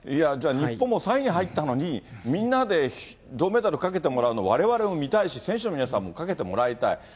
じゃあ、日本も３位に入ったのに、みんなで銅メダルかけてもらうの、われわれも見たいし、選手の皆さんもかけてもらいたい。